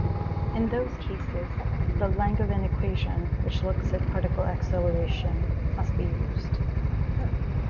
In those cases, the Langevin equation, which looks at particle acceleration, must be used.